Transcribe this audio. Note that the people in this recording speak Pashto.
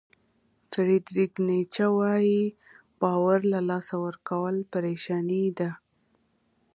فریدریک نیچه وایي باور له لاسه ورکول پریشاني ده.